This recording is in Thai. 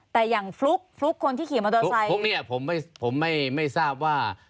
แต่อย่างฟลุ๊กฟลุ๊กคนที่เขียนมาตราไซค์ฟลุ๊กเนี่ยผมไม่ทราบว่า